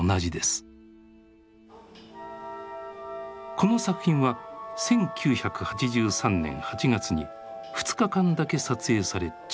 この作品は１９８３年８月に２日間だけ撮影され中断。